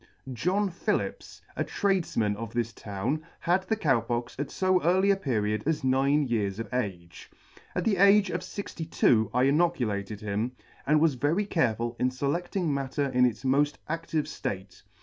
JOHN PHILLIPS, a Tradefman of this town, had the Cow Pox at fo early a period as nine years of age. At the age of fixty two I inoculated him, and was very careful in feledting matter in its moll adtive ftate.